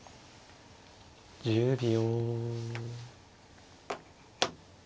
１０秒。